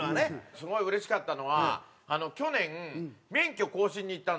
すごいうれしかったのは去年免許更新に行ったんですよ。